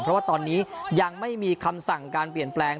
เพราะว่าตอนนี้ยังไม่มีคำสั่งการเปลี่ยนแปลง